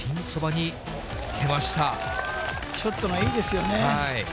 ショットがいいですよね。